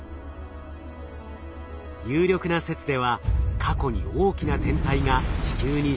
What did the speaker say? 有力な説では過去に大きな天体が地球に衝突。